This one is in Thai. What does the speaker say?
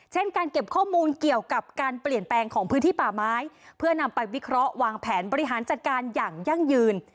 เช่นการเก็บข้อมูลเกี่ยวกับการเปลี่ยนแปลงของพื้นที่ป่าไม้เพื่อนำไปวิเคราะห์วางแผนบริหารจัดการอย่างยั่งยืน